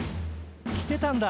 来てたんだ！